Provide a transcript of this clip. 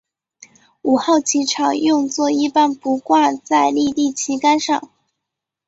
五号旗常用作一般不挂在立地旗杆上。